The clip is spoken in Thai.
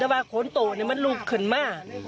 แต่ว่าคนโตนี่มันลูกขึ้นมาก